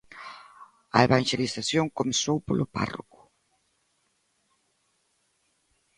A evanxelización comezou polo párroco.